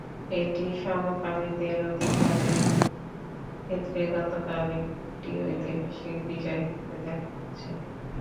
এটি সমকামীদের অধিকারের ক্ষেত্রে গতকাল একটি ঐতিহাসিক বিজয় হিসেবে দেখা হচ্ছে।